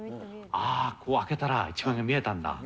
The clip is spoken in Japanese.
あー、こう、開けたら一万円が見えたんだ。